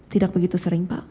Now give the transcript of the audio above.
tidak begitu sering pak